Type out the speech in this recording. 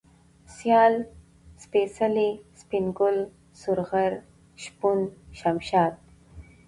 سيال ، سپېڅلى ، سپين گل ، سورغر ، شپون ، شمشاد